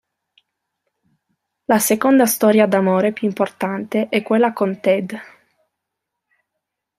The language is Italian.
La seconda storia d'amore più importante è quella con Ted.